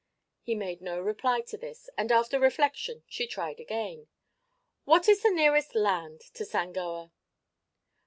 He made no reply to this and after reflection she tried again. "What is the nearest land to Sangoa?"